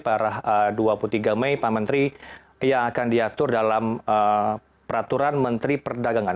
pada dua puluh tiga mei pak menteri yang akan diatur dalam peraturan menteri perdagangan